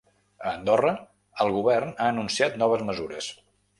A Andorra, el govern ha anunciat noves mesures.